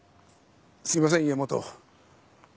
すいません家元。